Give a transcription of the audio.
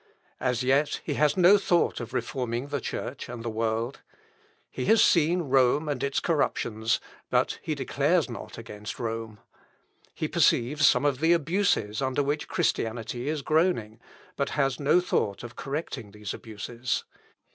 As yet, he has no thought of reforming the church and the world. He has seen Rome and its corruptions, but he declares not against Rome. He perceives some of the abuses under which Christianity is groaning, but has no thought of correcting these abuses.